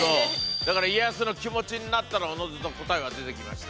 だから家康の気持ちになったらおのずと答えは出てきました。